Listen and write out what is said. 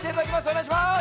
おねがいします！